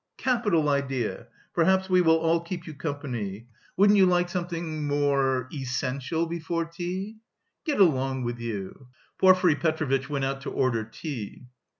"Capital idea! Perhaps we will all keep you company. Wouldn't you like... something more essential before tea?" "Get along with you!" Porfiry Petrovitch went out to order tea.